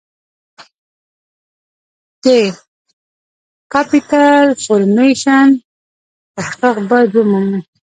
د Capital Formation تحقق باید ومومي.